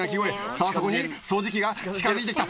さあそこに掃除機が近づいてきた！